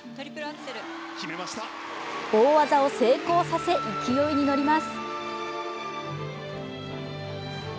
大技を成功させ、勢いに乗ります。